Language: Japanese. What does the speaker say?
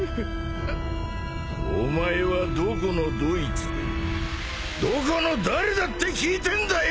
お前はどこのどいつでどこの誰だって聞いてんだよ！！